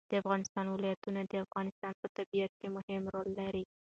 د افغانستان ولايتونه د افغانستان په طبیعت کې مهم رول لري.